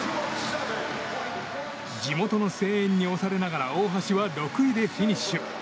地元の声援に押されながら大橋は６位でフィニッシュ。